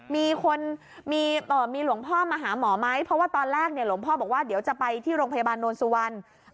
มีคนมีหลวงพ่อมาหาหมอไหมเพราะว่าตอนแรกเนี่ยหลวงพ่อบอกว่าเดี๋ยวจะไปที่โรงพยาบาลโนนสุวรรณ